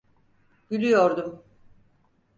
Gülüyordum.